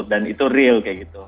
dan itu real kayak gitu